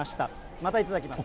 また頂きます。